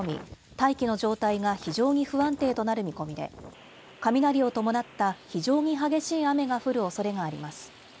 大気の状態が非常に不安定となる見込みで雷を伴った非常に激しい雨が降るおそれがあります。